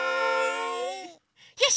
よし！